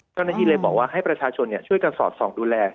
เจ้าหน้าที่เลยบอกว่าให้ประชาชนช่วยกันสอดส่องดูแล